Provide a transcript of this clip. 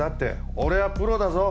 俺はプロだぞ。